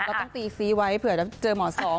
เราต้องตีซีไว้เผื่อจะเจอหมอสอง